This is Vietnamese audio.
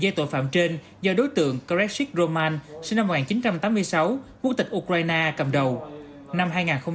đầu tiên trên do đối tượng karekshik roman sinh năm một nghìn chín trăm tám mươi sáu quốc tịch ukraine cầm đầu năm hai nghìn một mươi chín